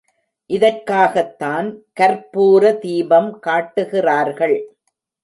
இதற்காகத்தான் கர்ப்பூர தீபம் காட்டுகிறார்கள்.